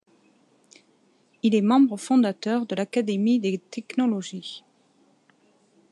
Il est membre fondateur de l'Académie des technologies.